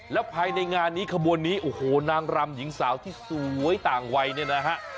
แล้วภายในงานนี้ขบวนนี้โอ้โหนางรำหญิงสาวที่สวยต่างวัยเนี่ยนะฮะ